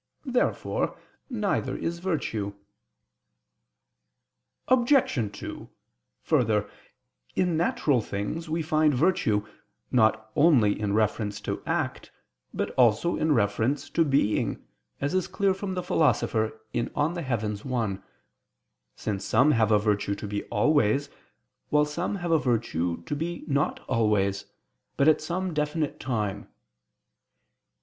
Therefore neither is virtue. Obj. 2: Further, in natural things we find virtue not only in reference to act, but also in reference to being: as is clear from the Philosopher (De Coelo i), since some have a virtue to be always, while some have a virtue to be not always, but at some definite time.